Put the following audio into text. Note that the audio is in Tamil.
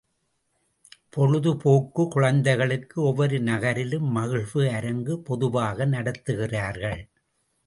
பொழுது போக்கு குழந்தைகளுக்கு ஒவ்வொரு நகரிலும் மகிழ்வு அரங்கு பொதுவாக நடத்துகிறார்கள்.